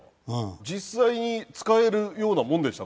実際に使えるようなものでした？